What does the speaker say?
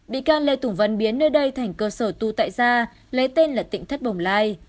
bị can lê tùng vân biến nơi đây thành cơ sở tu tại da lấy tên là tỉnh thất bồng lai